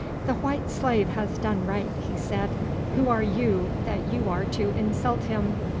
"The white slave has done right," he said. "Who are you that you are to insult him?